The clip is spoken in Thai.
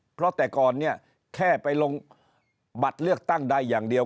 เพราะแต่ก่อนเนี่ยแค่ไปลงบัตรเลือกตั้งใดอย่างเดียว